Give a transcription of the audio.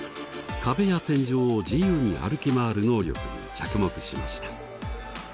壁や天井を自由に歩き回る能力に着目しました。